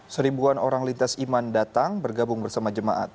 seribuan orang lintas iman datang bergabung bersama jemaat